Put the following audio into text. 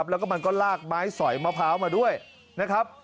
แล้วก็มันก็ลากไม้สอยมะพร้าวมาด้วยนะครับ